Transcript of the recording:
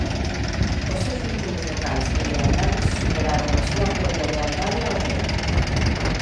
Os seus vínculos locais e lealdades superaron á súa propia lealdade ao rei.